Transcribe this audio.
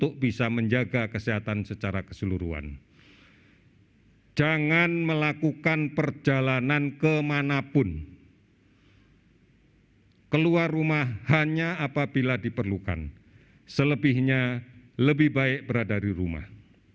kedua jangan melakukan perjalanan kemana pun keluar rumah hanya apabila diperlukan selebihnya lebih baik berada di rumah